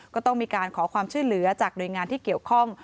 ก็ต้องมีการขอความช่วยเหลือจากหน่วยงานที่เกี่ยวข้อง